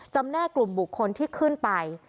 แน่กลุ่มบุคคลที่ขึ้นไป